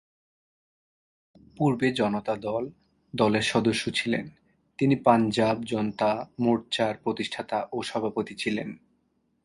পূর্বে জনতা দল দলের সদস্য ছিলেন, তিনি পাঞ্জাব জনতা মোর্চার প্রতিষ্ঠাতা ও সভাপতি ছিলেন।